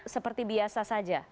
seperti biasa saja